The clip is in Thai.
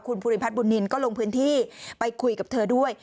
คุณภูริพัฒนบุญนินก็ลงพื้นที่ไปคุยกับเธอด้วย